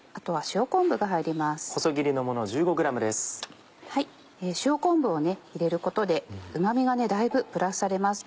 塩昆布を入れることでうま味がだいぶプラスされます。